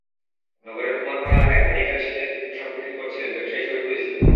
নগরের কুমারপাড়া এলাকায় ভ্যানে করে শীতের পোশাক বিক্রি করছিলেন ব্যবসায়ী শরিফুল ইসলাম।